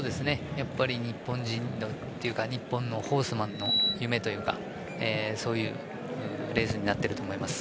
日本人というか日本のホースマンの夢というかそういうレースになっていると思います。